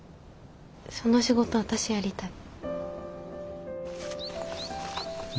その仕事私やりたい。